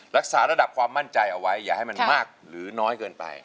รักษาระดับความมั่นใจเอาไว้อย่าให้มันมากหรือน้อยเกินไป